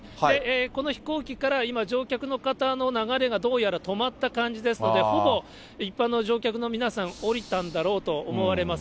この飛行機から今、乗客の方の流れがどうやら止まった感じですので、ほぼ一般の乗客の皆さん、降りたんだろうと思われます。